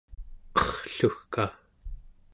qerrlugka